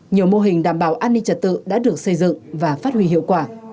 nhiều mô hình đảm bảo an ninh trật tự đã được xây dựng và phát huy hiệu quả